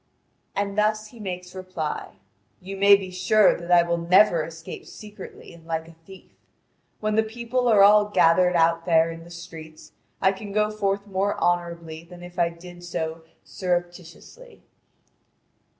And he thus makes reply: "You may be sure that I will never escape secretly and like a thief. When the people are all gathered out there in the streets, I can go forth more honourably than if I did so surreptitiously."